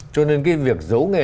cho nên cái việc giấu nghề